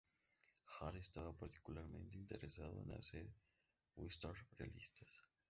Hart estaba particularmente interesado en hacer westerns realistas.